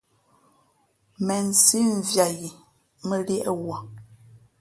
Mēnsī , mviāt yī mά liēʼ wuᾱ.